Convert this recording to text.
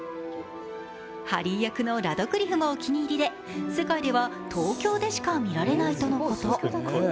ハリー役のラドクリフもお気に入りで、世界では東京でしか見られないとのこと。